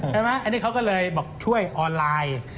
ใช่ไหมอันนี้เขาก็เลยบอกช่วยออนไลน์